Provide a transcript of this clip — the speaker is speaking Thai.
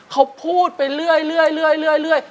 เขาพูดไปเรื่อย